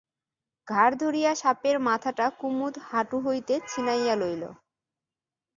ঘাড় ধরিয়া সাপের মাথাটা কুমুদ হাটু হইতে ছিনাইয়া লইল।